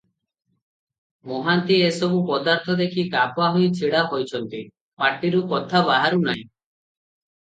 ମହାନ୍ତି ଏ ସବୁ ପଦାର୍ଥ ଦେଖି କାବା ହୋଇ ଛିଡ଼ା ହୋଇଛନ୍ତି, ପାଟିରୁ କଥା ବାହାରୁ ନାହିଁ ।